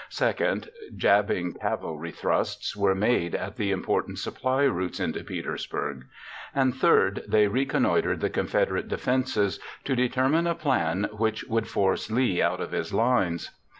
Second, jabbing cavalry thrusts were made at the important supply routes into Petersburg. And third, they reconnoitered the Confederate defenses to determine a plan which would force Lee out of his lines.